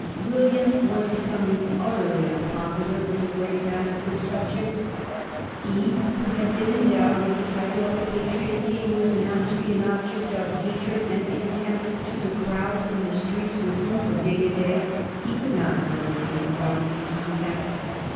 William was becoming utterly unpopular with the great mass of his subjects. He who had been endowed with the title of the Patriot King was now to be an object of hatred and contempt to the crowds in the streets with whom from day to day he could not avoid being brought into contact.